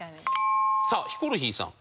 さあヒコロヒーさん。